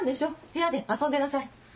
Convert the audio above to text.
部屋で遊んでなさい。